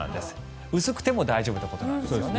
薄くても大丈夫ということです。